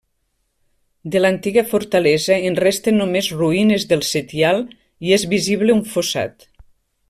De l'antiga fortalesa en resten només ruïnes del setial i és visible un fossat.